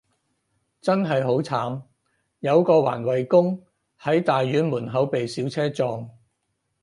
真係好慘，有個環衛工，喺大院門口被小車撞